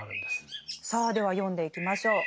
さあでは読んでいきましょう。